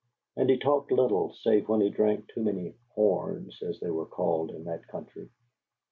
And he talked little save when he drank too many "horns," as they were called in that country.